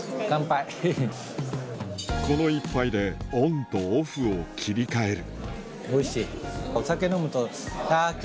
この一杯でオンとオフを切り替えるおいしい。